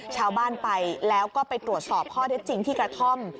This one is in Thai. ชาวบ้านไปแล้วก็ไปตรวจสอบข้อเท็จจริงที่กระท่อม